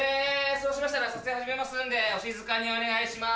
そうしましたら撮影始めますんでお静かにお願いします